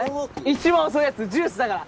一番遅いヤツジュースだから。